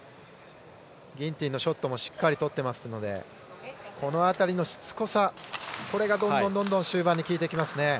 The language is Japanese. ギンティンのショットもしっかりとっていますのでこの辺りのしつこさこれがどんどん終盤に効いてきますね。